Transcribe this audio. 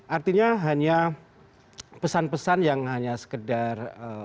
artinya hanya pesan pesan yang hanya sekedar